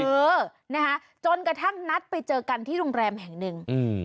เออนะคะจนกระทั่งนัดไปเจอกันที่โรงแรมแห่งหนึ่งอืม